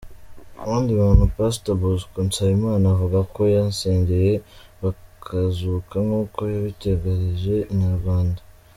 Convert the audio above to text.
Mu bandi bantu Pastor Bosco Nsabimana avuga ko yasengeye bakazuka nkuko yabitangarije Inyarwanda.